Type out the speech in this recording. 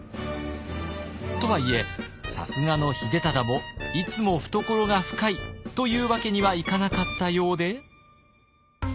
とはいえさすがの秀忠もいつも懐が深いというわけにはいかなかったようで。